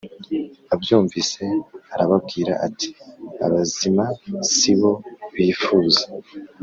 Abyumvise arababwira ati Abazima si bo bifuza